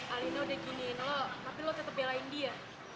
alina udah giniin lo tapi lo tetep belain dia